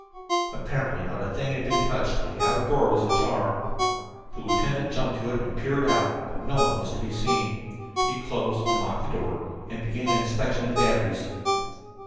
Apparently not a thing had been touched, but the outer door was ajar. The lieutenant jumped to it and peered out, but no one was to be seen. He closed and locked the door and began an inspection of the batteries.